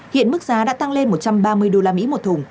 hiện mức giá đã tăng lên một trăm ba mươi đô la mỹ một thùng